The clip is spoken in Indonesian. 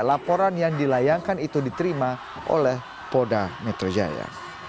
laporan yang dilayangkan itu diterima oleh polda metro jaya